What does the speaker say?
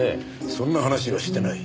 そんな話はしてない。